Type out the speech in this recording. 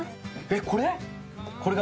えっこれ⁉